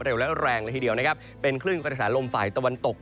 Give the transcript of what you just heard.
และแรงเลยทีเดียวนะครับเป็นคลื่นกระแสลมฝ่ายตะวันตก